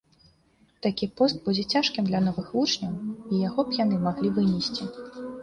Такі пост будзе цяжкім для новых вучняў, і яго б яны маглі вынесці.